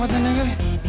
bagus tempatnya neng ya